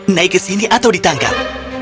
naik ke sini atau ditangkap